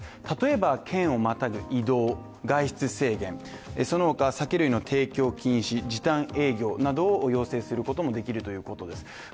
例えば県をまたぐ移動外出制限、その他酒類の提供禁止、時短営業などを要請することもできるということです。